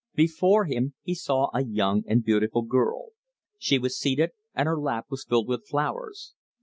Before him he saw a young and beautiful girl. She was seated, and her lap was filled with flowers.